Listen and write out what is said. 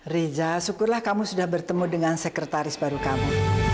reza syukurlah kamu sudah bertemu dengan sekretaris baru kamu